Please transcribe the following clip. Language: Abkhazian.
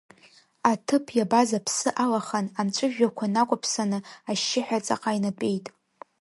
Аҭыԥ иабаз аԥсы алахан, амҵәыжәҩақәа накәаԥсаны, ашьшьыҳәа ҵаҟа инатәеит.